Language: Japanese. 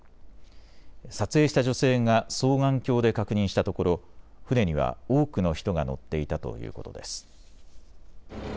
撮影した女性が双眼鏡で確認したところ、船には多くの人が乗っていたということです。